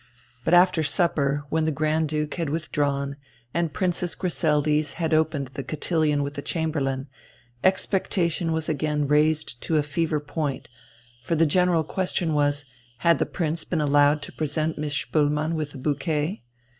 But after supper, when the Grand Duke had withdrawn and Princess Griseldis had opened the cotillon with a Chamberlain, expectation was again raised to fever point, for the general question was, had the Prince been allowed to present Miss Spoelmann with a bouquet?